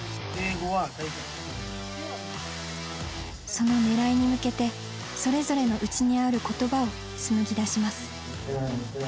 そのねらいに向けてそれぞれの内にある言葉を紡ぎ出します。